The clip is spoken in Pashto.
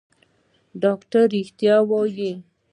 ډاکتر رښتيا وايي.